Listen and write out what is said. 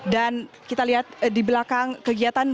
dan kita lihat di belakang kegiatan